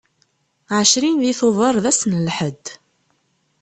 Ɛecrin di tubeṛ d ass n lḥedd.